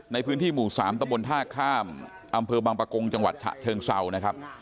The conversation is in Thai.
ในพื้นที่หมู่๓ตะบนท่าข้ามอำเภอบางประกงจังหวัดฉะเชิงเศร้านะครับ